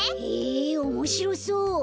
へえおもしろそう。